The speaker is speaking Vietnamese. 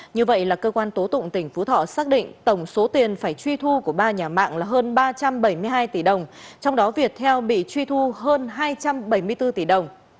như vậy là cơ quan tố tụng tỉnh phú thọ xác định tổng số tiền phải truy thu của ba nhà mạng là hơn ba trăm bảy mươi hai tỷ đồng trong đó việt theo bị truy thu hơn hai trăm bảy mươi bốn tỷ đồng